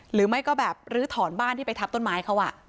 หรือไม่ก็แบบลื้อถอนบ้านที่ไปทับต้นไม้เขา